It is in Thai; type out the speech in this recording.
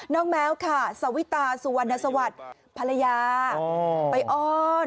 น้องแมวค่ะสวิตาสุวรรณสวัสดิ์ภรรยาไปอ้อน